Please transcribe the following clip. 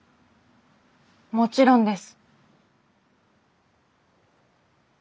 もちろんです。